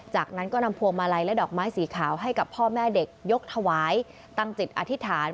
จากนั้นก็นำพวงมาลัยและดอกไม้สีขาวให้กับพ่อแม่เด็กยกถวายตั้งจิตอธิษฐาน